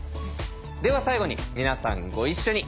では最後に皆さんご一緒に。